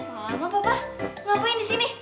mama papa ngapain di sini